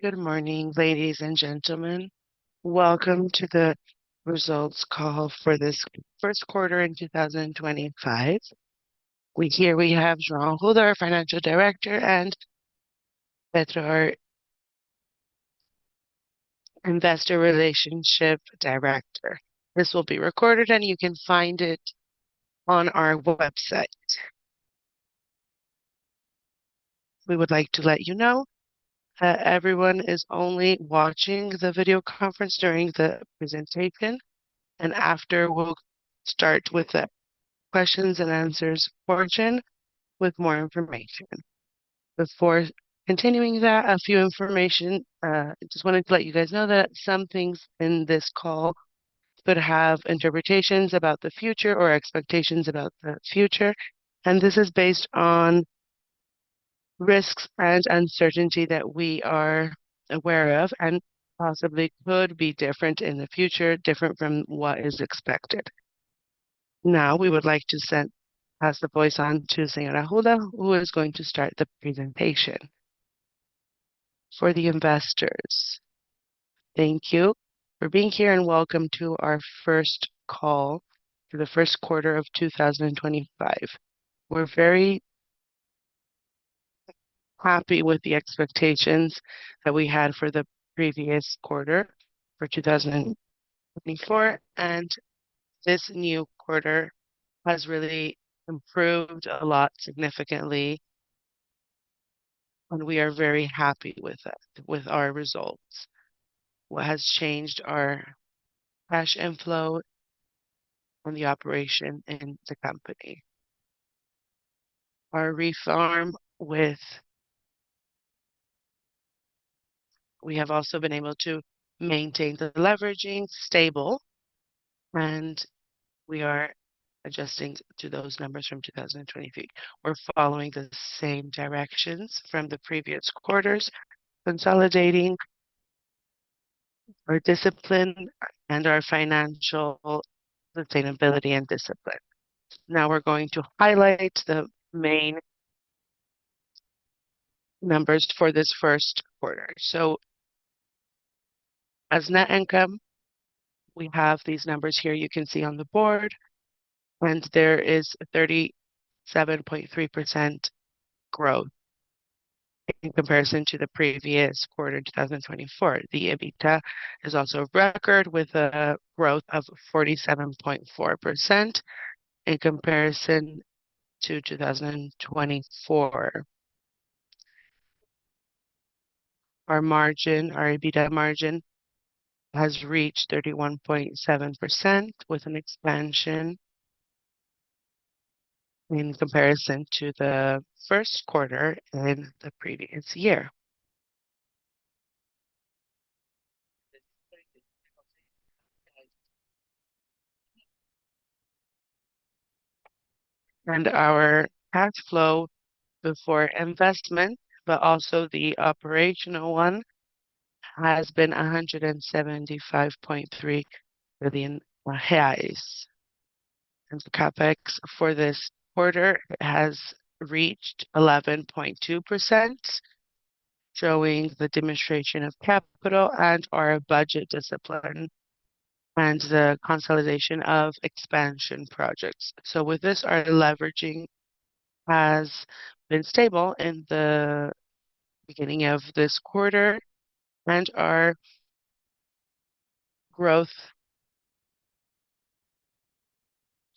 Good morning, ladies and gentlemen. Welcome to the results call for this first quarter in 2025. Here we have João Arruda, our Financial Director, and Pedro, our Investor Relations Director. This will be recorded, and you can find it on our website. We would like to let you know that everyone is only watching the video conference during the presentation, and after, we'll start with the questions and answers portion with more information. Before continuing that, a few information: I just wanted to let you guys know that some things in this call could have interpretations about the future or expectations about the future, and this is based on risks and uncertainty that we are aware of and possibly could be different in the future, different from what is expected. Now, we would like to pass the voice on to João Arruda, who is going to start the presentation. For the investors, thank you for being here, and welcome to our first call for the first quarter of 2025. We're very happy with the expectations that we had for the previous quarter for 2024, and this new quarter has really improved a lot, significantly, and we are very happy with our results. What has changed our cash inflow and the operation in the company? Our reform with we have also been able to maintain the leveraging stable, and we are adjusting to those numbers from 2023. We're following the same directions from the previous quarters, consolidating our discipline and our financial sustainability and discipline. Now, we're going to highlight the main numbers for this first quarter. So, as net income, we have these numbers here you can see on the board, and there is a 37.3% growth in comparison to the previous quarter in 2024. The EBITDA is also record, with a growth of 47.4% in comparison to 2024. Our margin, our EBITDA margin, has reached 31.7%, with an expansion in comparison to the first quarter and the previous year. Our cash flow before investment, but also the operational one, has been BRL 175.3 billion. The CapEx for this quarter has reached 11.2%, showing the demonstration of capital and our budget discipline, and the consolidation of expansion projects. With this, our leveraging has been stable in the beginning of this quarter, and our growth.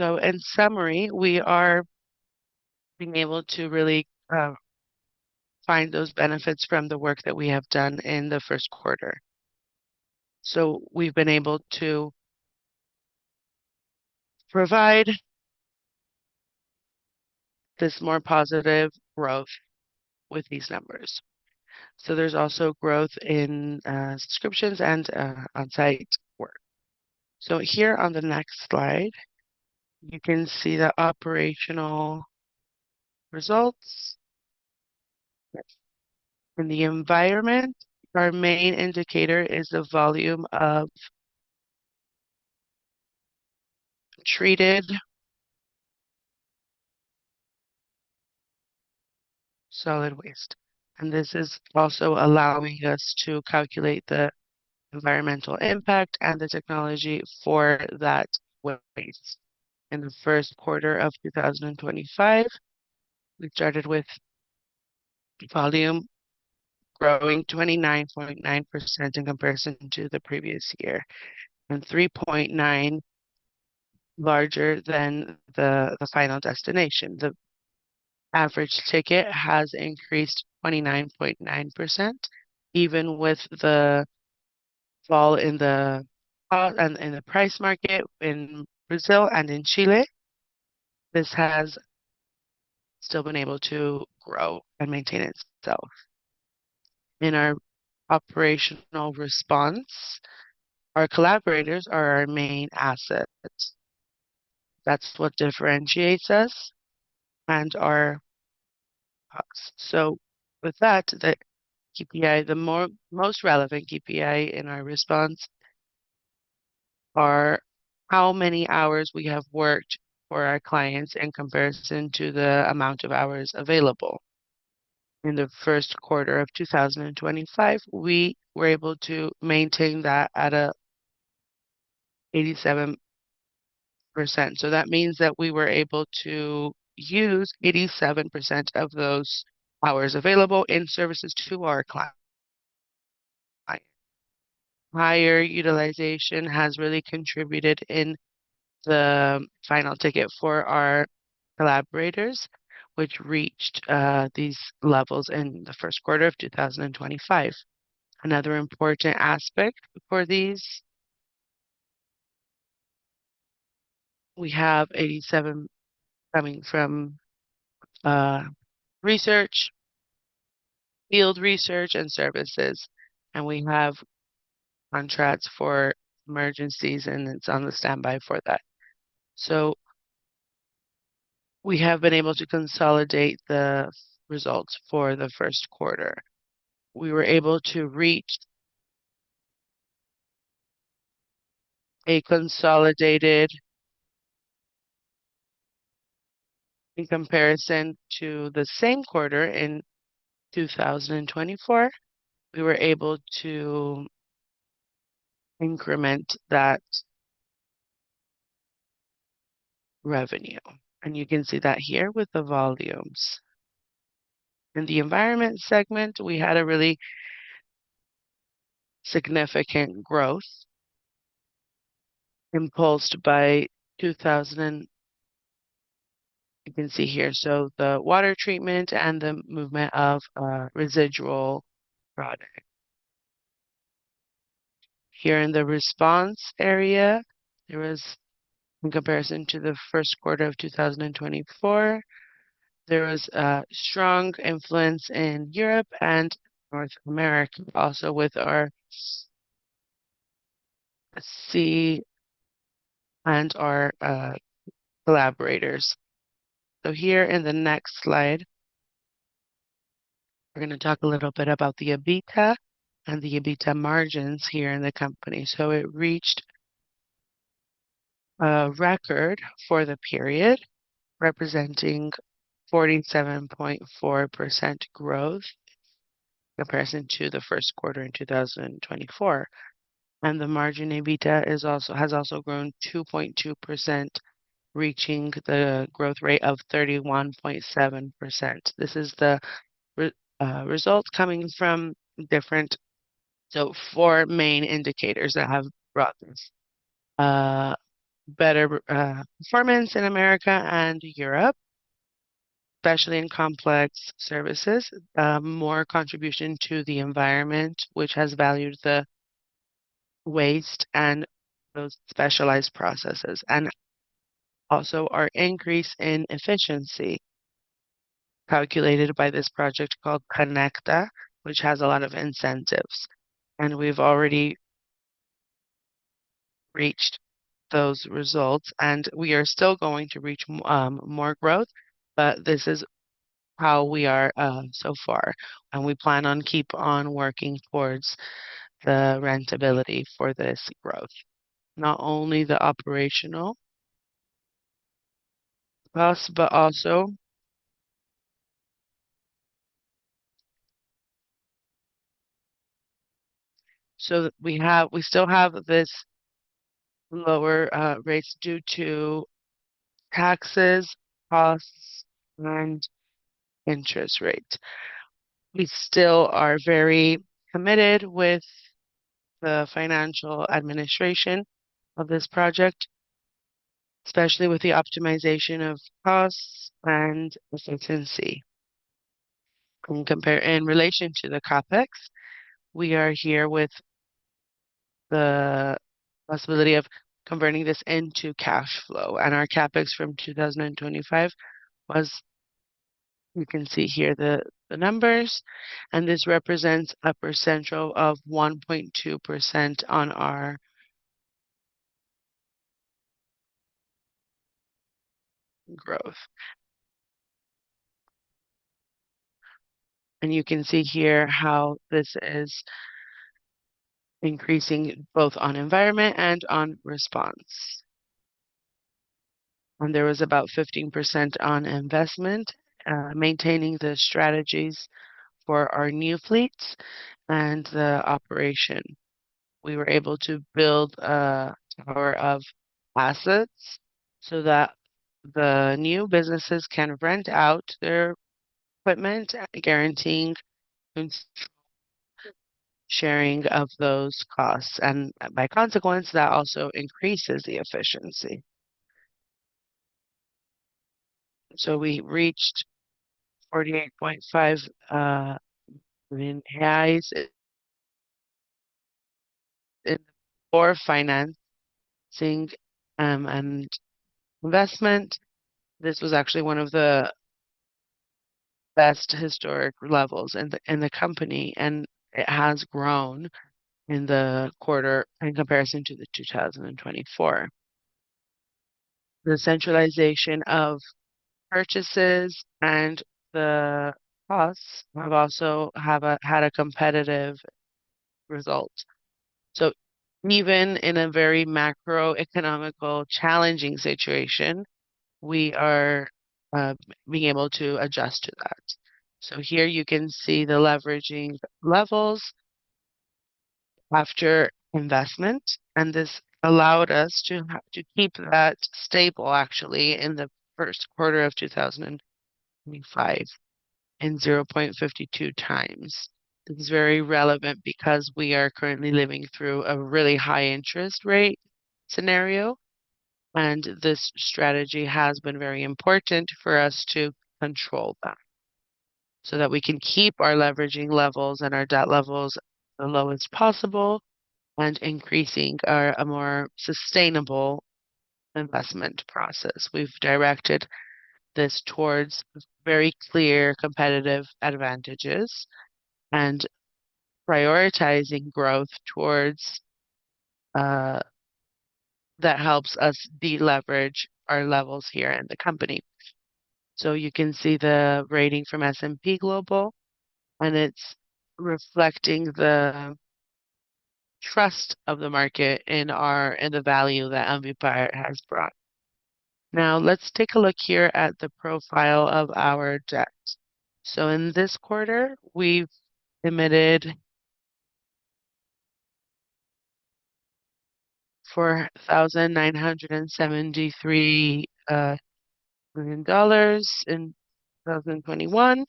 In summary, we are being able to really find those benefits from the work that we have done in the first quarter. We have been able to provide this more positive growth with these numbers. There is also growth in subscriptions and on-site work. Here on the next slide, you can see the operational results. In the environment, our main indicator is the volume of treated solid waste, and this is also allowing us to calculate the environmental impact and the technology for that waste. In the first quarter of 2025, we started with volume growing 29.9% in comparison to the previous year, and 3.9% larger than the final destination. The average ticket has increased 29.9%, even with the fall in the price market in Brazil and in Chile. This has still been able to grow and maintain itself. In our operational response, our collaborators are our main assets. That's what differentiates us and our costs. With that, the most relevant KPI in our response is how many hours we have worked for our clients in comparison to the amount of hours available. In the first quarter of 2025, we were able to maintain that at 87%. That means that we were able to use 87% of those hours available in services to our clients. Higher utilization has really contributed in the final ticket for our collaborators, which reached these levels in the first quarter of 2025. Another important aspect for these, we have 87% coming from research, field research, and services, and we have contracts for emergencies, and it is on the standby for that. We have been able to consolidate the results for the first quarter. We were able to reach a consolidated, in comparison to the same quarter in 2024, we were able to increment that revenue, and you can see that here with the volumes. In the environment segment, we had a really significant growth impulsed by 2,000. You can see here, so the water treatment and the movement of residual product. Here in the response area, there was, in comparison to the first quarter of 2024, a strong influence in Europe and North America, also with our sea and our collaborators. Here in the next slide, we're going to talk a little bit about the EBITDA and the EBITDA margins here in the company. It reached a record for the period, representing 47.4% growth in comparison to the first quarter in 2024, and the margin EBITDA has also grown 2.2%, reaching the growth rate of 31.7%. This is the result coming from different. Four main indicators that have brought this: better performance in America and Europe, especially in complex services; more contribution to the environment, which has valued the waste and those specialized processes; and also our increase in efficiency calculated by this project called Connecta, which has a lot of incentives. We have already reached those results, and we are still going to reach more growth. This is how we are so far, and we plan on keeping on working towards the rentability for this growth. Not only the operational cost, but also so that we still have this lower rate due to taxes, costs, and interest rates. We still are very committed with the financial administration of this project, especially with the optimization of costs and efficiency. In relation to the CapEx, we are here with the possibility of converting this into cash flow, and our CapEx from 2025 was, you can see here the numbers, and this represents approximately 1.2% on our growth. You can see here how this is increasing both on environment and on response. There was about 15% on investment, maintaining the strategies for our new fleets and the operation. We were able to build a tower of assets so that the new businesses can rent out their equipment, guaranteeing sharing of those costs, and by consequence, that also increases the efficiency. We reached BRL 48.5 billion in the core financing and investment. This was actually one of the best historic levels in the company, and it has grown in the quarter in comparison to 2024. The centralization of purchases and the costs have also had a competitive result. Even in a very macroeconomically challenging situation, we are being able to adjust to that. Here you can see the leveraging levels after investment, and this allowed us to keep that stable, actually, in the first quarter of 2025 at 0.52 times. This is very relevant because we are currently living through a really high interest rate scenario, and this strategy has been very important for us to control that so that we can keep our leveraging levels and our debt levels as low as possible and increasing a more sustainable investment process. We've directed this towards very clear competitive advantages and prioritizing growth towards that helps us deleverage our levels here in the company. You can see the rating from S&P Global, and it's reflecting the trust of the market in the value that Ambipar has brought. Now, let's take a look here at the profile of our debt. In this quarter, we've emitted BRL 4,973 million in 2021,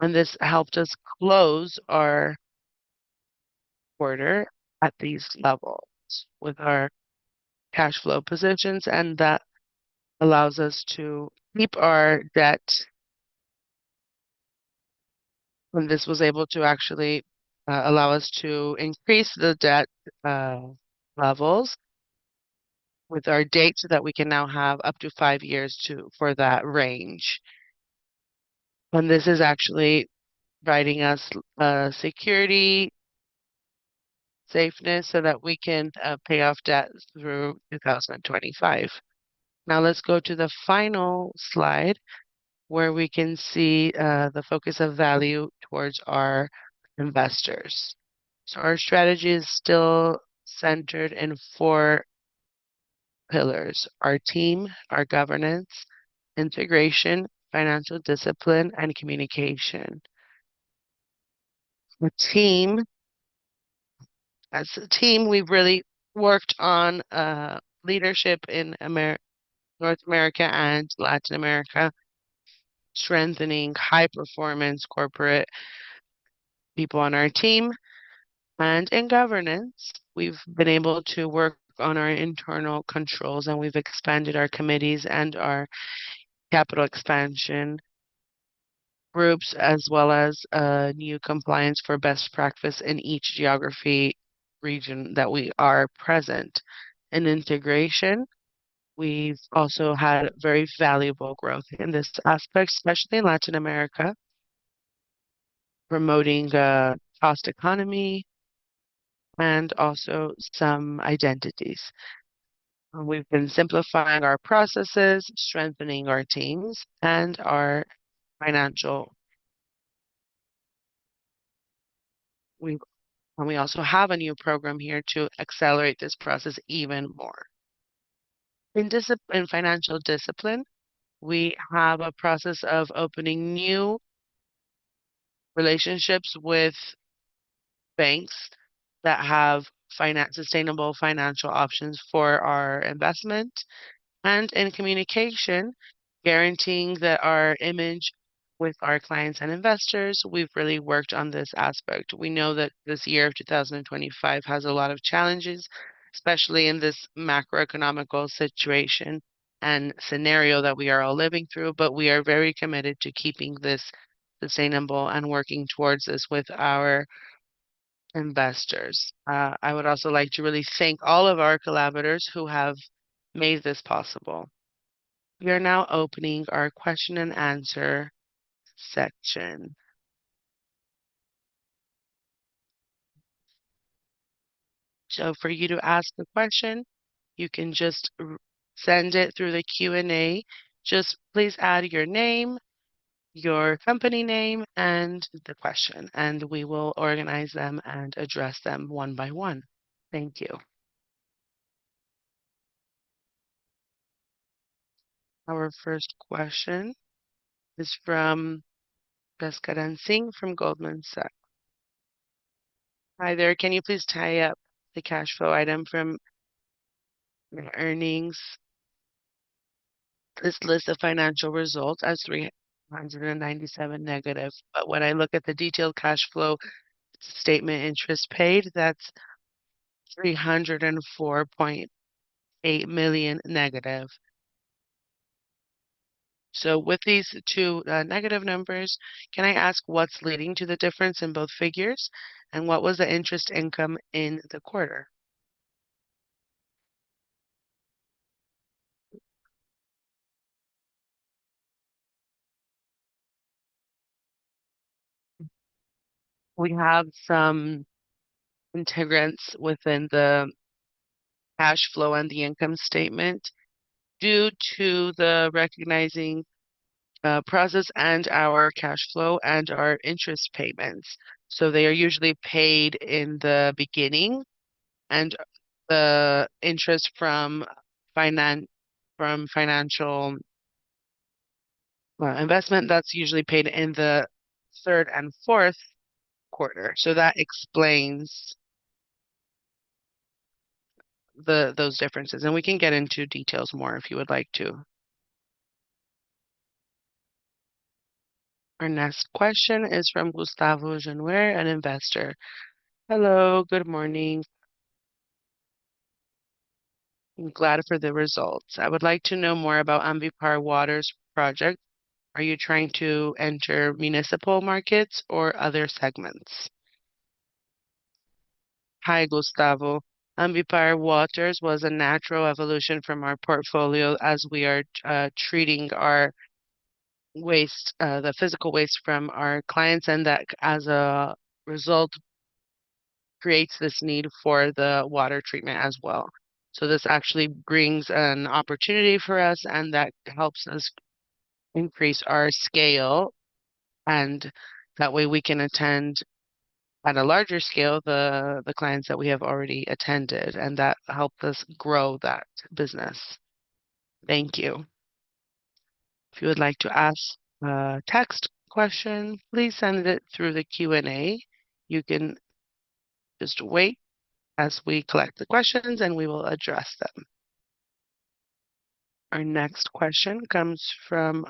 and this helped us close our quarter at these levels with our cash flow positions, and that allows us to keep our debt. This was able to actually allow us to increase the debt levels with our date so that we can now have up to five years for that range. This is actually providing us security, safeness, so that we can pay off debt through 2025. Now, let's go to the final slide where we can see the focus of value towards our investors. Our strategy is still centered in four pillars: our team, our governance, integration, financial discipline, and communication. The team, as a team, we've really worked on leadership in North America and Latin America, strengthening high-performance corporate people on our team. In governance, we've been able to work on our internal controls, and we've expanded our committees and our capital expansion groups, as well as new compliance for best practice in each geography region that we are present. In integration, we've also had very valuable growth in this aspect, especially in Latin America, promoting a cost economy and also some identities. We've been simplifying our processes, strengthening our teams, and our financial. We also have a new program here to accelerate this process even more. In financial discipline, we have a process of opening new relationships with banks that have sustainable financial options for our investment. In communication, guaranteeing that our image with our clients and investors, we've really worked on this aspect. We know that this year of 2025 has a lot of challenges, especially in this macroeconomical situation and scenario that we are all living through, but we are very committed to keeping this sustainable and working towards this with our investors. I would also like to really thank all of our collaborators who have made this possible. We are now opening our question and answer section. For you to ask the question, you can just send it through the Q&A. Just please add your name, your company name, and the question, and we will organize them and address them one by one. Thank you. Our first question is from Sanskar singh from Goldman Sachs. Hi there. Can you please tie up the cash flow item from earnings? This list of financial results as -397 million, but when I look at the detailed cash flow statement interest paid, that is BRL -304.8 million. With these two negative numbers, can I ask what is leading to the difference in both figures and what was the interest income in the quarter? We have some integrance within the cash flow and the income statement due to the recognizing process and our cash flow and our interest payments. They are usually paid in the beginning, and the interest from financial investment, that's usually paid in the third and fourth quarter. That explains those differences, and we can get into details more if you would like to. Our next question is from Gustavo Genuer, an investor. Hello, good morning. I'm glad for the results. I would like to know more about Ambipar Waters Project. Are you trying to enter municipal markets or other segments? Hi, Gustavo. Ambipar Waters was a natural evolution from our portfolio as we are treating our waste, the physical waste from our clients, and that as a result creates this need for the water treatment as well. So, this actually brings an opportunity for us, and that helps us increase our scale, and that way we can attend at a larger scale the clients that we have already attended, and that helped us grow that business. Thank you. If you would like to ask a text question, please send it through the Q&A. You can just wait as we collect the questions, and we will address them. Our next question comes from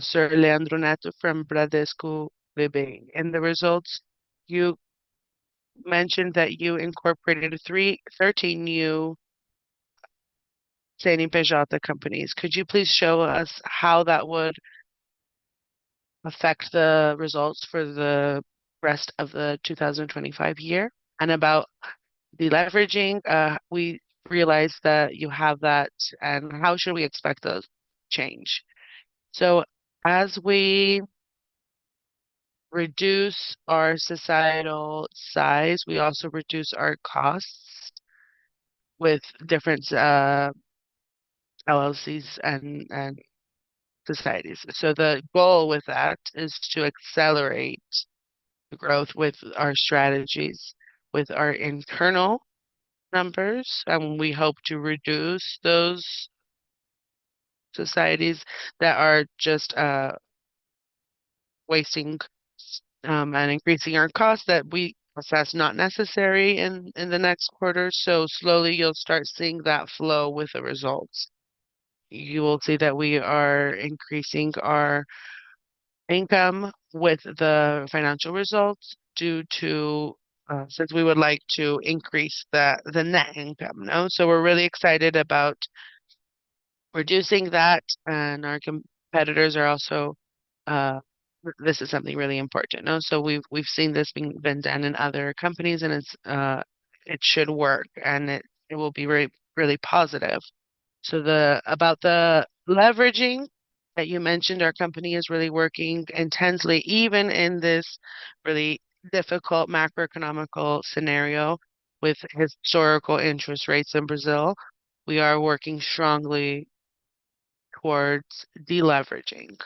Sir Leandro Neto from Bradesco BBI. In the results, you mentioned that you incorporated 13 new semi-pejota companies. Could you please show us how that would affect the results for the rest of the 2025 year? And about the leveraging, we realize that you have that, and how should we expect those to change? As we reduce our societal size, we also reduce our costs with different LLCs and societies. The goal with that is to accelerate the growth with our strategies, with our internal numbers, and we hope to reduce those societies that are just wasting and increasing our costs that we assess not necessary in the next quarter. Slowly you'll start seeing that flow with the results. You will see that we are increasing our income with the financial results due to, since we would like to increase the net income. We're really excited about reducing that, and our competitors are also, this is something really important. We've seen this being done in other companies, and it should work, and it will be really positive. About the leveraging that you mentioned, our company is really working intensely, even in this really difficult macroeconomical scenario with historical interest rates in Brazil. We are working strongly towards deleveraging.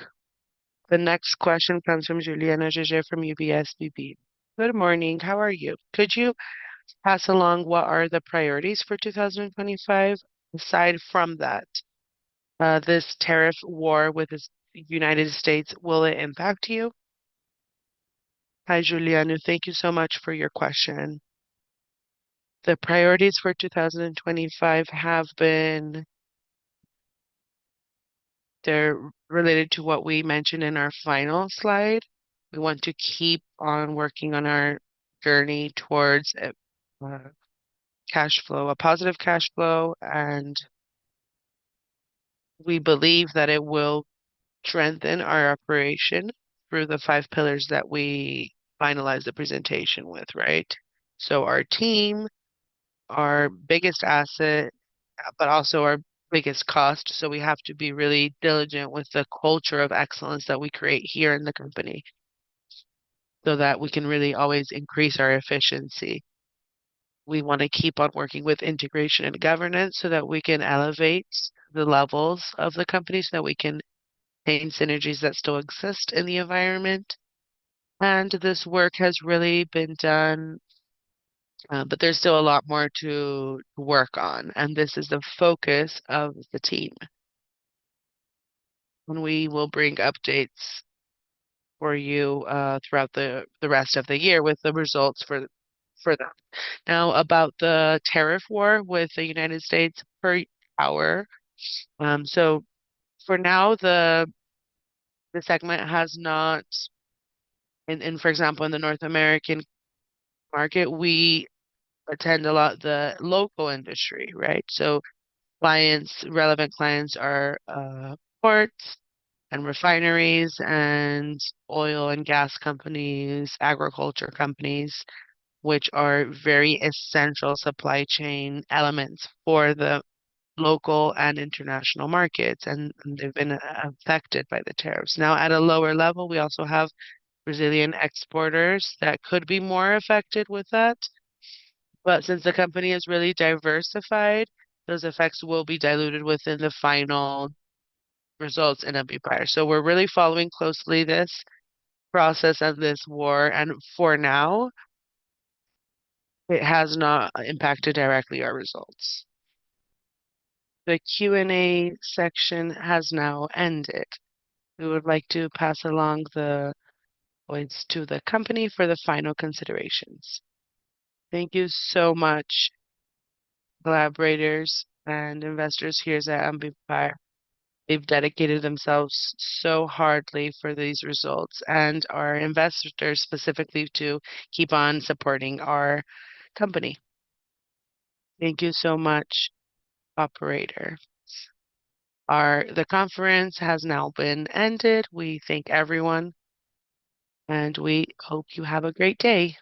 The next question comes from [Juliana Gege] from UBS BB. Good morning. How are you? Could you pass along what are the priorities for 2025? Aside from that, this tariff war with the United States, will it impact you? Hi, Juliana. Thank you so much for your question. The priorities for 2025 have been, they're related to what we mentioned in our final slide. We want to keep on working on our journey towards a cash flow, a positive cash flow, and we believe that it will strengthen our operation through the five pillars that we finalized the presentation with, right? Our team, our biggest asset, but also our biggest cost, so we have to be really diligent with the culture of excellence that we create here in the company so that we can really always increase our efficiency. We want to keep on working with integration and governance so that we can elevate the levels of the company, so that we can maintain synergies that still exist in the environment. This work has really been done, but there's still a lot more to work on, and this is the focus of the team. We will bring updates for you throughout the rest of the year with the results for that. Now, about the tariff war with the United States per hour. For now, the segment has not, and for example, in the North American market, we attend a lot of the local industry, right? Relevant clients are ports and refineries and oil and gas companies, agriculture companies, which are very essential supply chain elements for the local and international markets, and they've been affected by the tariffs. Now, at a lower level, we also have Brazilian exporters that could be more affected with that, but since the company is really diversified, those effects will be diluted within the final results in Ambipar. We are really following closely this process of this war, and for now, it has not impacted directly our results. The Q&A section has now ended. We would like to pass along the points to the company for the final considerations. Thank you so much, collaborators and investors here at Ambipar. They have dedicated themselves so hardly for these results and our investors specifically to keep on supporting our company. Thank you so much, operators. The conference has now been ended. We thank everyone, and we hope you have a great day.